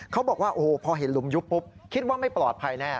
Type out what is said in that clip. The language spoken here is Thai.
เขาบอกว่าโอ้โหพอเห็นหลุมยุบปุ๊บคิดว่าไม่ปลอดภัยแน่